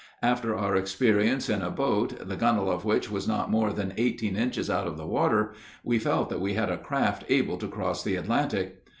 After our experience in a boat the gunwale of which was not more than eighteen inches out of water, we felt that we had a craft able to cross the Atlantic.